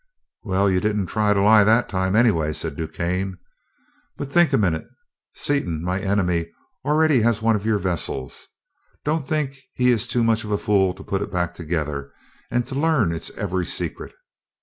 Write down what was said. "Well, you didn't try to lie that time, anyway," said DuQuesne, "but think a minute. Seaton, my enemy, already has one of your vessels don't think he is too much of a fool to put it back together and to learn its every secret.